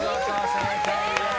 正解です。